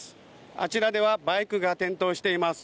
あちらではバイクが転倒しています。